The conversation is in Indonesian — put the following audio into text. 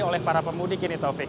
oleh para pemudik ini taufik